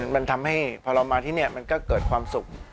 มันทำให้พอเรามาที่นี่มันก็เกิดความสุข